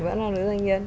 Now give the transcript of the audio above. vẫn là một nữ doanh nhân